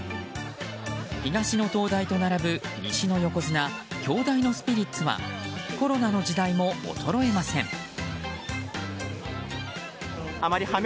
東の東大と並ぶ、西の横綱京大のスピリッツはコロナの時代も衰えません。